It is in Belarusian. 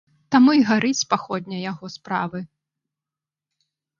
Таму і гарыць паходня яго справы.